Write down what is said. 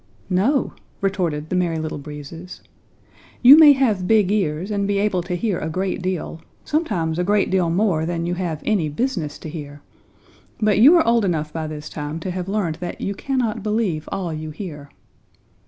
"No!" retorted the Merry Little Breezes. "You may have big ears and be able to hear a great deal, sometimes a great deal more than you have any business to hear, but you are old enough by this time to have learned that you cannot believe all you hear."